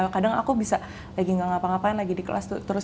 kadang aku bisa lagi gak ngapa ngapain lagi di kelas tuh terus